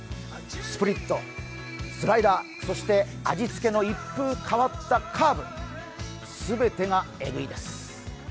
スプリット、スライダー、そして味付けの一風変わったカーブ全てがエグいです。